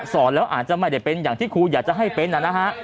แล้วอาจจะไม่ได้เป็นอย่างที่ครูอยากจะให้เป็นนะฮะ